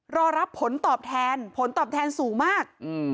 รอรับผลตอบแทนผลตอบแทนสูงมาก